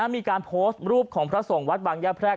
มีการโพสต์รูปของพระสงฆ์วัดบางย่าแพรก